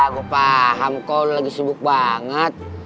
gue paham kok lo lagi sibuk banget